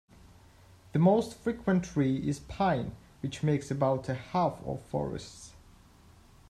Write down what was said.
The most frequent tree is pine which makes about a half of forests.